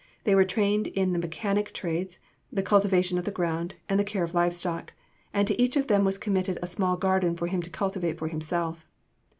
They were trained in the mechanic trades, the cultivation of the ground, and the care of livestock; and to each of them was committed a small garden for him to cultivate for himself.